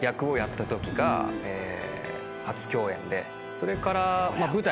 それから。